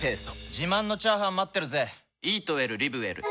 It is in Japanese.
自慢のチャーハン待ってるぜ！